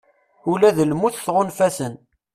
Ula d lmut tɣunfa-ten